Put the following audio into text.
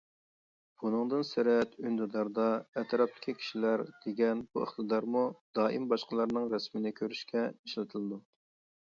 بۇنىڭدىن سىرت، ئۈندىداردا «ئەتراپتىكى كىشىلەر» دېگەن بۇ ئىقتىدارمۇ دائىم باشقىلارنىڭ رەسىمىنى كۆرۈشكە ئىشلىتىلىدۇ.